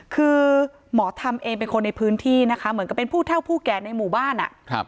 คือหมอทำเองเป็นคนในพื้นที่นะคะเหมือนกับเป็นผู้เท่าผู้แก่ในหมู่บ้าน